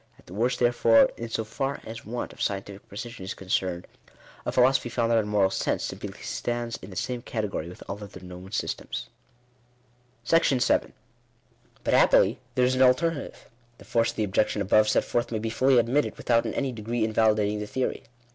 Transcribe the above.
At the worst therefore, in so far as want of scientific precision is concerned, a philosophy founded on Moral Sense, simply stands in the same category with all other known systems. §7. But happily there is an alternative. The force of the objec tion above set forth may be fully admitted, without in any de gree invalidating the theory.